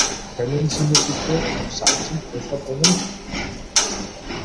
Können Sie mir bitte noch Salz und Pfeffer bringen?